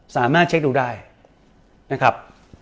สามารถเช็คดูได้นะครับ